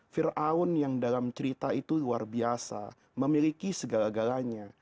fir'aun yang dalam cerita itu luar biasa memiliki segala galanya